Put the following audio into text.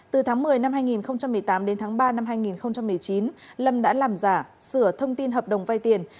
từ tháng một mươi năm hai nghìn một mươi tám đến tháng ba năm hai nghìn một mươi chín lâm đã làm giả sửa thông tin hợp đồng vay tiền